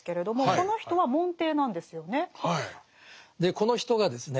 この人がですね